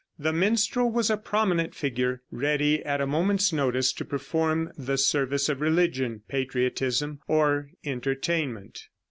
The minstrel was a prominent figure, ready at a moment's notice to perform the service of religion, patriotism or entertainment.